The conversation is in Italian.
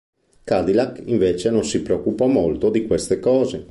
Cadillac invece non si preoccupò molto di queste cose.